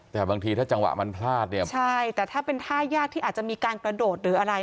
แต่บางทีถ้าจังหวะมันพลาดเนี่ยใช่แต่ถ้าเป็นท่ายากที่อาจจะมีการกระโดดหรืออะไร